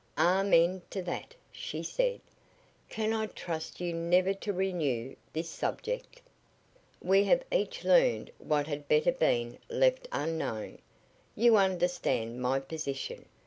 "Amen to that!" she said. "Can I trust you never to renew this subject? We have each learned what had better been left unknown. You understand my position.